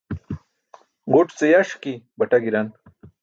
Ġuṭ ce yaṣki baṭa gi̇ran.